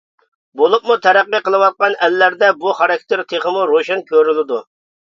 بولۇپمۇ تەرەققىي قىلىۋاتقان ئەللەردە بۇ خاراكتېر تېخىمۇ روشەن كۆرۈلىدۇ.